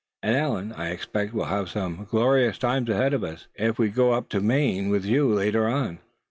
And Allan, I expect we'll have some glorious times ahead of us, if we go up into Maine with you, later on.